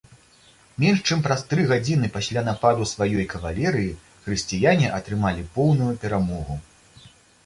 Менш чым праз тры гадзіны пасля нападу сваёй кавалерыі хрысціяне атрымалі поўную перамогу.